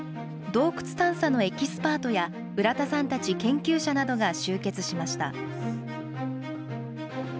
洞窟探査のエキスパートや、浦田さんたち研究者などが集結しました。